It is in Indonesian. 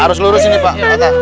harus lurus ini pak